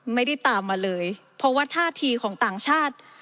ไม่ได้ตามมาเลยเพราะว่าท่าทีของต่างชาติ